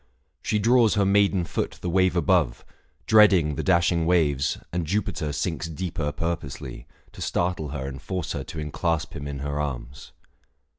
She draws her maiden foot the wave above, Dreading the dashing waves, and Jupiter Sinks deeper purposely, to startle her And force her to enclasp him in her arms.